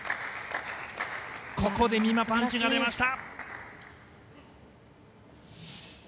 ここでみまパンチが出ました！